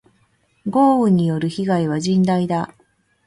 豪雨による被害は甚大だ。